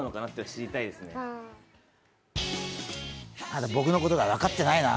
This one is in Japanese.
まだ僕のことが分かってないな。